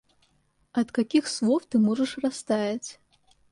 От каких слов ты можешь растаять?